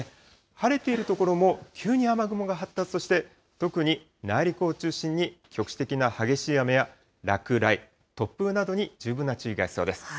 晴れている所も、急に雨雲が発達して、特に内陸を中心に、局地的な激しい雨や、落雷、突風などに十分な注意が必要です。